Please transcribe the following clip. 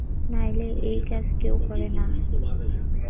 নইলে এই কাজ কেউ করে না।